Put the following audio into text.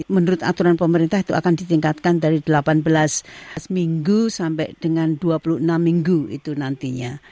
menurut aturan pemerintah itu akan ditingkatkan dari delapan belas minggu sampai dengan dua puluh enam minggu itu nantinya